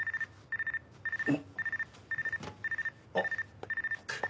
あっ。